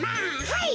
はい！